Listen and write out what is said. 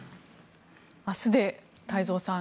明日で太蔵さん